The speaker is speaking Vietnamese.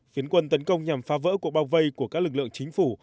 phiến quân tấn công nhằm phá vỡ cuộc bao vây của các lực lượng chính phủ